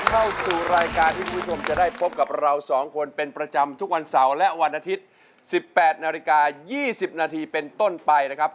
เข้าสู่รายการที่คุณผู้ชมจะได้พบกับเราสองคนเป็นประจำทุกวันเสาร์และวันอาทิตย์๑๘นาฬิกา๒๐นาทีเป็นต้นไปนะครับ